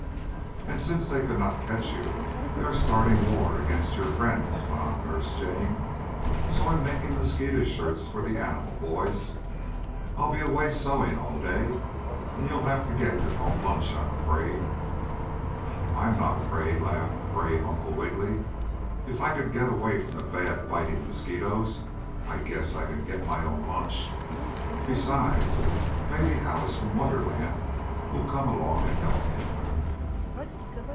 "And, since they could not catch you, they are starting war against your friends," went on Nurse Jane, "so I am making mosquito shirts for the animal boys. I'll be away sewing all day, and you'll have to get your own lunch, I'm afraid." "I'm not afraid!" laughed brave Uncle Wiggily. "If I could get away from the bad, biting mosquitoes, I guess I can get my own lunch. Besides, maybe Alice from Wonderland will come along and help me."